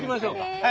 はい。